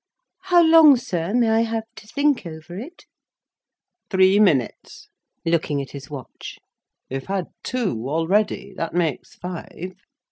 "How long, sir, may I have to think over it?" "Three minutes!" (looking at his watch). "You've had two already—that makes five.